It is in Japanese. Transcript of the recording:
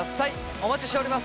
お待ちしております。